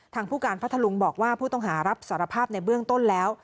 ผู้การพัทธลุงบอกว่าผู้ต้องหารับสารภาพในเบื้องต้นแล้ว